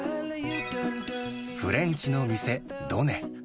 フレンチの店、ドネ。